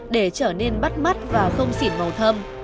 để trở nên bắt mắt và không xỉn màu thơm